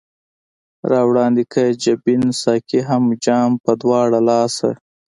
را وړاندي که جبين ساقي هم جام پۀ دواړه لاسه